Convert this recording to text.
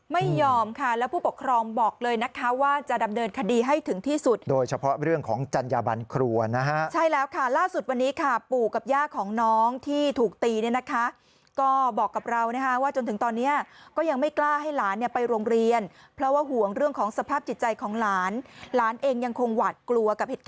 ไม่ยอมค่ะแล้วผู้ปกครองบอกเลยนะคะว่าจะดำเนินคดีให้ถึงที่สุดโดยเฉพาะเรื่องของจัญญาบันครัวนะฮะใช่แล้วค่ะล่าสุดวันนี้ค่ะปู่กับย่าของน้องที่ถูกตีเนี่ยนะคะก็บอกกับเรานะคะว่าจนถึงตอนนี้ก็ยังไม่กล้าให้หลานเนี่ยไปโรงเรียนเพราะว่าห่วงเรื่องของสภาพจิตใจของหลานหลานเองยังคงหวาดกลัวกับเหตุการณ์